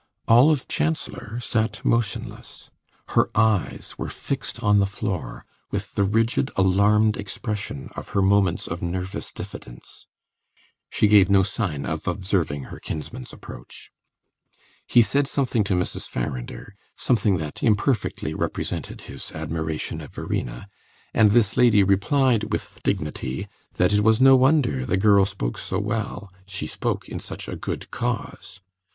Olive Chancellor sat motionless; her eyes were fixed on the floor with the rigid, alarmed expression of her moments of nervous diffidence; she gave no sign of observing her kinsman's approach. He said something to Mrs. Farrinder, something that imperfectly represented his admiration of Verena; and this lady replied with dignity that it was no wonder the girl spoke so well she spoke in such a good cause.